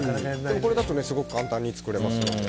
これだとすごく簡単に作れますので。